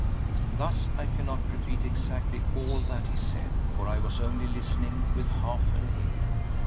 Thus I cannot repeat exactly all that he said, for I was only listening with half an ear.